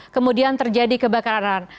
kemudian terjadi kebakaran